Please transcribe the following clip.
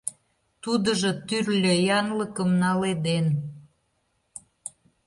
Тудыжо тӱрлӧ янлыкым наледен.